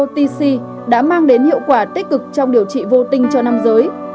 với ưu điểm đến tận nơi bắt tận cùng vi phẫu micro tc đã mang đến hiệu quả tích cực trong điều trị vô tinh cho nam giới